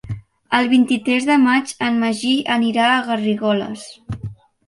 El vint-i-tres de maig en Magí anirà a Garrigoles.